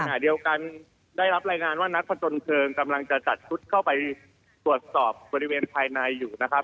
ขณะเดียวกันได้รับรายงานว่านักผจญเพลิงกำลังจะจัดชุดเข้าไปตรวจสอบบริเวณภายในอยู่นะครับ